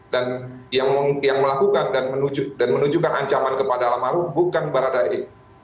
dan yang melakukan dan menunjukkan ancaman kepada almarhum bukan baradaik